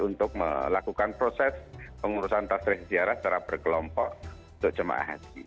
untuk melakukan proses pengurusan tasres ziarah secara berkelompok untuk jemaah haji